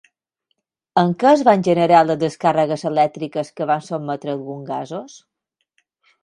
Amb què es van generar les descàrregues elèctriques que van sotmetre alguns gasos?